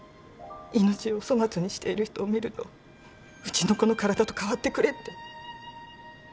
命を粗末にしている人を見るとうちの子の体とかわってくれって。